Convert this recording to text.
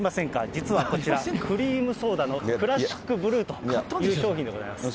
実はこちら、クリームソーダのクラシックブルーという商品でございます。